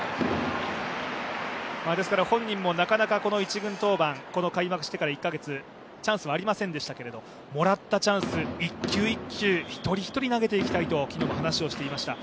本人もなかなか１軍登板開幕してから１カ月チャンスはありませんでしたけれども、もらったチャンス、１球１球、１人１人投げていきたいと昨日も話していました。